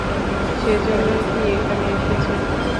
সেজন্যই কি এখানে এসেছেন?